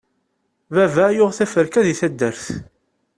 Baba yuɣ teferka di taddart.